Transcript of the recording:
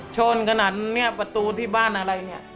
ชนขนาดนี้ประตูที่บ้านอะไรเนี่ย